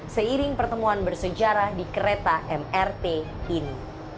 seiring pertemuan bersejarah di kereta mrt ini